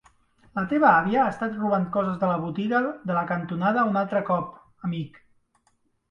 La teva àvia ha estat robant coses de la botiga de la cantonada un altre cop, amic.